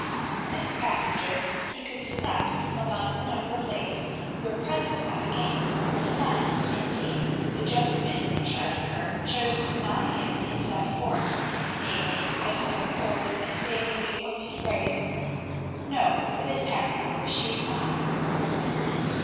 This passenger he could select from among the number of ladies who were present at the games; unless, indeed, the gentleman in charge of her chose to deny him in set form; namely, by stepping forward and saying in the appointed phrase, "No, for this happy hour she is mine."